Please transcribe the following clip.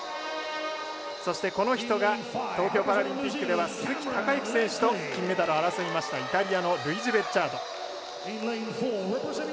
そして、この人が東京パラリンピックでは鈴木孝幸選手と金メダルを争いましたイタリアのルイジ・ベッジャート。